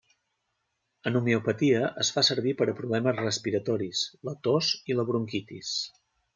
En homeopatia es fa servir per a problemes respiratoris, la tos i la bronquitis.